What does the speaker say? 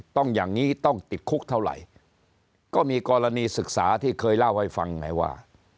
อย่างนี้ต้องติดคุกเท่าไหร่ก็มีกรณีศึกษาที่เคยเล่าให้ฟังไงว่า